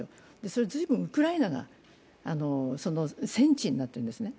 それは随分ウクライナが戦地になってるんですね。